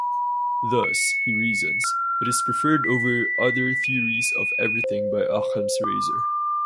Thus, he reasons, it is preferred over other theories-of-everything by Occam's Razor.